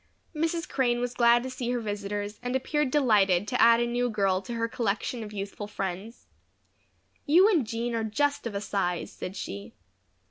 Mrs. Crane was glad to see her visitors and appeared delighted to add a new girl to her collection of youthful friends. "You and Jean are just of a size," said she.